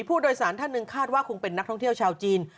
ผู้โดยสารท่านหนึ่งคาดว่าคงเป็นนักท่องเที่ยวชาวจีน